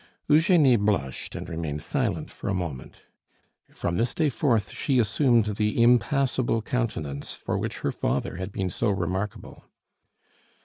Eugenie blushed, and remained silent for a moment. From this day forth she assumed the impassible countenance for which her father had been so remarkable.